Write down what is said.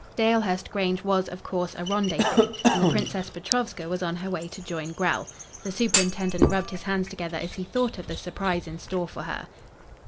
Dalehurst Grange was, of course, a rendezvous, and the Princess Petrovska was on her way to join Grell. The superintendent rubbed his hands together as he thought of the surprise in store for her.